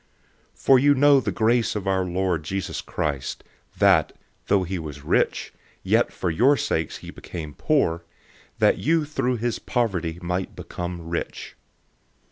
008:009 For you know the grace of our Lord Jesus Christ, that, though he was rich, yet for your sakes he became poor, that you through his poverty might become rich.